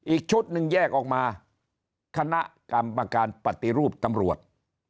อีกชุดหนึ่งแยกออกมาคณะกรรมการปฏิรูปตำรวจ